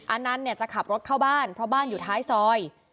อันนั้นเนี่ยจะขับรถเข้าบ้านเพราะบ้านอยู่ท้ายซอย